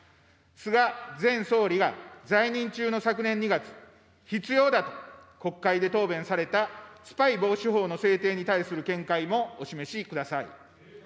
菅前総理が在任中の昨年２月、必要だと国会で答弁されたスパイ防止法の制定に対する見解もお示しください。